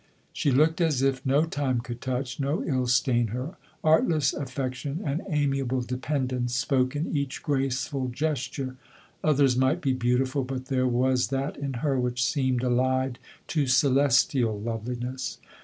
She looked as if no time could touch, no ill stain her; artless affection LODOIU. 115 and amiable dependence spoke in each grace ful gesture. Others might be beautiful, but there was that in her, which seemed allied to celestial loveliness.